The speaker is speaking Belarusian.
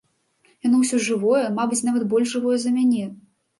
Яно ўсё жывое, мабыць, нават больш жывое за мяне.